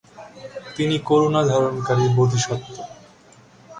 তিনি করুণা ধারণকারী বোধিসত্ত্ব।